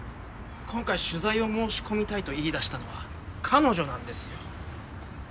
今回取材を申し込みたいと言い出したのは彼女なんですよ。